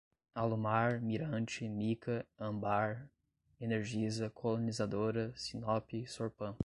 Alumar, Mirante, Mika, Âmbar, Energisa, Colonizadora, Sinnop, Sorpan